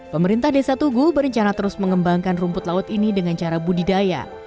pemerintah desa tugu berencana terus mengembangkan rumput laut ini dengan cara budidaya